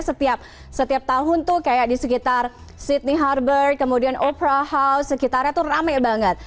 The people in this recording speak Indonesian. setiap tahun tuh kayak di sekitar sydney harbour kemudian opera house sekitarnya tuh rame banget